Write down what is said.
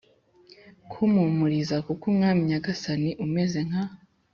Kumpumuriza kuko mwami nyagasani umeze nka